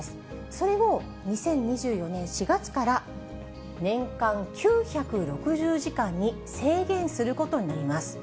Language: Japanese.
それを２０２４年４月から年間９６０時間に制限することになります。